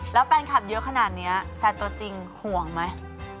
แล้วแฟนคลับเยอะขนาดนี้แฟนตัวจริงห่วงไหม